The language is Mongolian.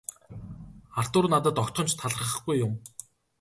Артур надад огтхон ч талархахгүй юм.